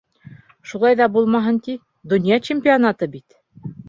Шулай ҙа булмаһын ти, Донъя чемпионаты бит!